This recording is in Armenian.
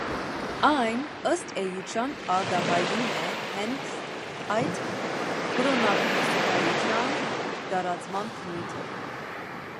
Այն, ըստ էության, արտահայտում է հենց այդ կրոնափիլիսոփայության տարածման բնույթը։